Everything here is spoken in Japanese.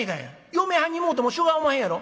嫁はんにもうてもしょうがおまへんやろ」。